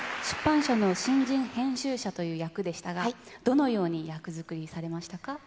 出版社の新人編集者という役でしたが、どのように役作りされましたか？